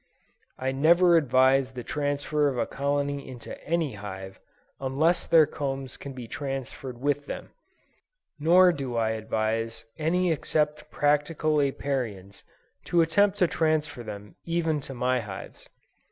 I never advise the transfer of a colony into any hive, unless their combs can be transferred with them, nor do I advise any except practical Apiarians, to attempt to transfer them even to my hives.